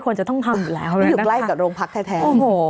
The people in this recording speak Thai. ควรจะต้องทำอยู่แล้วแล้วกับโรงพักแท้